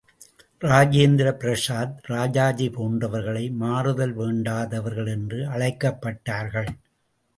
இராஜேந்திர பிரசாத், ராஜாஜி போன்றவர்களை மாறுதல் வேண்டாதவர்கள் என்று அழைக்கப்பட்டார்கள்.